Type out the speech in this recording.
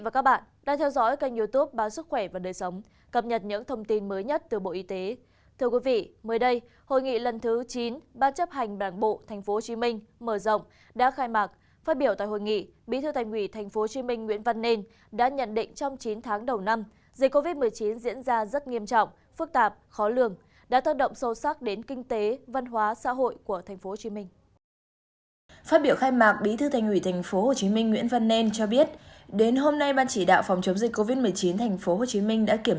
các bạn hãy đăng ký kênh để ủng hộ kênh của chúng mình nhé